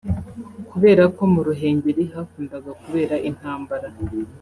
Kubera ko mu Ruhengeri hakundaga kubera intambara